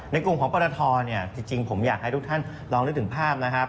ในกลุ่มของปรทเนี่ยจริงผมอยากให้ทุกท่านลองนึกถึงภาพนะครับ